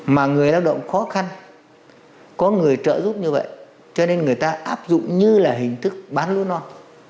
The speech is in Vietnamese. mà người lao động khó khăn có người trợ giúp như vậy cho nên người ta áp dụng như là hình thức bán lúa non